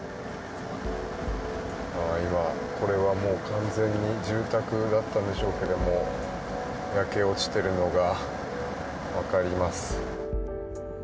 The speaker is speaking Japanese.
これは、もう完全に住宅だったんでしょうけども焼け落ちてるのが分かります。